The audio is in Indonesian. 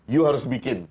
you harus bikin